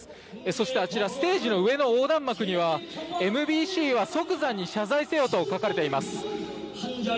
そして、あちらステージの上の横断幕にはＭＢＣは即座に謝罪せよと書かれています。